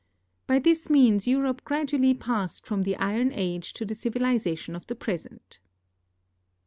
By this means Europe gradually passed from the Iron Age to the civilization of the present.